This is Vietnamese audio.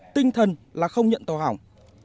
tinh thần là không nhận tàu hỏng